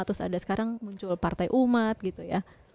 terus ada sekarang muncul partai umat gitu ya